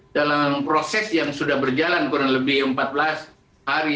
dalam proses yang sudah berjalan kurang lebih empat belas hari